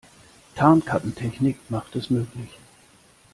Tarnkappentechnik macht es möglich.